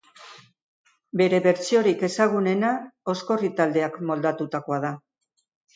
Bere bertsiorik ezagunena Oskorri taldeak moldatutakoa da.